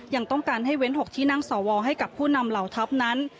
ยังต้องการให้เว้น๖ที่นั่งสวให้กับผู้นำเหล่าทัพนั้น